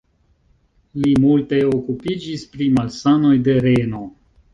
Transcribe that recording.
Li multe okupiĝis pri malsanoj de reno.